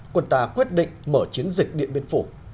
quân ta quyết định mở chiến dịch điện biên phủ